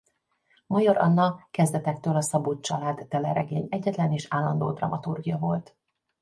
Major Anna kezdetektől a Szabó család teleregény egyetlen és állandó dramaturgja volt.